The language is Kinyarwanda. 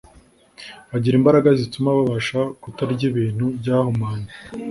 bagira imbaraga zituma babasha kutarya ibintu byahumanye